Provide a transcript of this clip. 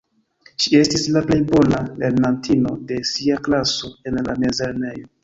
Ŝi estis la plej bona lernantino de sia klaso en la mezlernejo.